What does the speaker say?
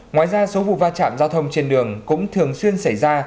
ngoài ra số vụ va chạm giao thông trên đường cũng thường xuyên xảy ra